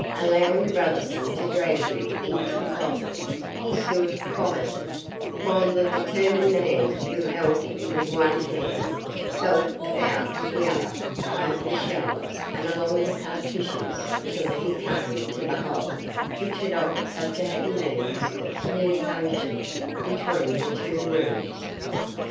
Allowing Brotherson to drag him into the closet, he stood quiescent, while the determined man who held him with one hand, felt about with the other over the shelves and along the partitions till he came to the hole which had offered such a happy means of communication between the two rooms.